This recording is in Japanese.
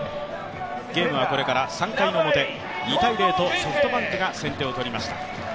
ゲームはこれから３回表、２−０とソフトバンクが先手を取りました。